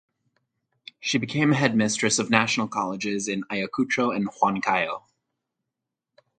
She became headmistress of national colleges in Ayacucho and Huancayo.